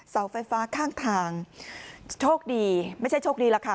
เสาไฟฟ้าข้างทางโชคดีไม่ใช่โชคดีหรอกค่ะ